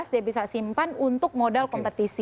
dua ribu sembilan belas dia bisa simpan untuk modal kompetisi